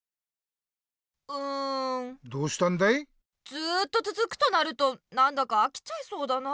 ずっとつづくとなるとなんだかあきちゃいそうだな。